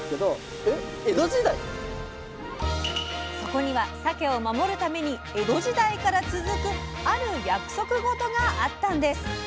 そこにはさけを守るために江戸時代から続くある約束事があったんです！